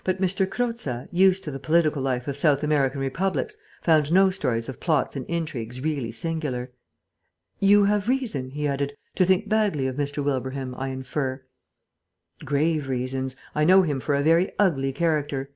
Croza, used to the political life of South American republics, found no stories of plots and intrigues really singular. "You have reason," he added, "to think badly of Mr. Wilbraham, I infer?" "Grave reasons. I know him for a very ugly character.